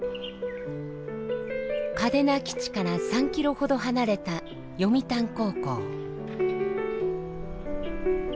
嘉手納基地から３キロほど離れた読谷高校。